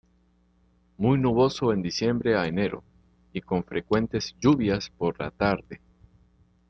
Muy nuboso de diciembre a enero y con frecuentes lluvias por la tarde.